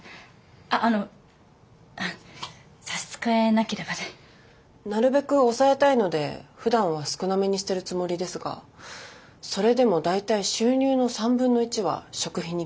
あっあの差し支えなければで。なるべく抑えたいのでふだんは少なめにしてるつもりですがそれでも大体収入の３分の１は食費に消えてますね。